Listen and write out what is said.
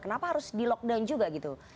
kenapa harus di lockdown juga gitu